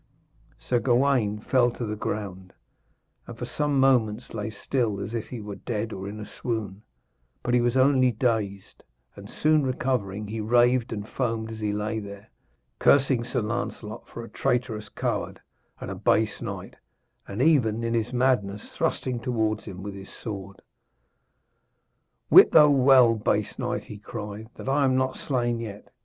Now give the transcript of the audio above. Sir Gawaine fell to the ground, and for some moments lay still as if he were dead or in a swoon; but he was only dazed, and soon recovering, he raved and foamed as he lay there, cursing Sir Lancelot for a traitorous coward and a base knight, and even, in his madness, thrusting towards him with his sword. 'Wit thou well, base knight,' he cried, 'that I am not slain yet.